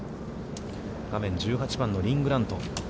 画面は１８番のリン・グラント。